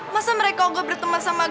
masa mereka nggak berteman sama gue